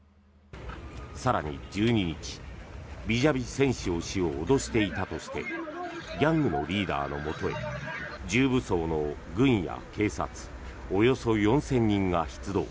更に１２日ビジャビセンシオ氏を脅していたとしてギャングのリーダーのもとへ重武装の軍や警察およそ４０００人が出動。